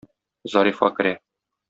Зарифа керә.